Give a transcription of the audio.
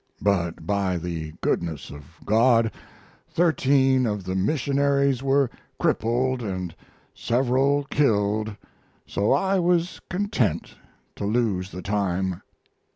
But by the goodness of God thirteen of the missionaries were crippled and several killed, so I was content to lose the time.